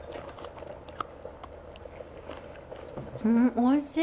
うんおいしい！